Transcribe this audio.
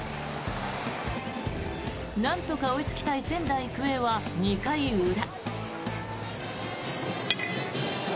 なんとか追いつきたい仙台育英は２回裏。